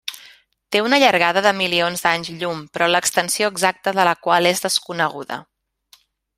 Té una llargada de milions d'anys llum, però l'extensió exacta de la qual és desconeguda.